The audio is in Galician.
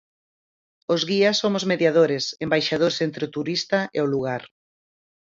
Os guías somos mediadores, embaixadores entre o turista e o lugar.